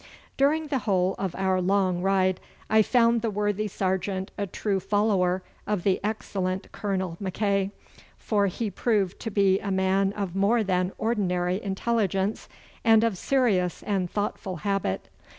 During the whole of our long ride I found the worthy sergeant a true follower of the excellent Colonel Mackay, for he proved to be a man of more than ordinary intelligence, and of serious and thoughtful habit.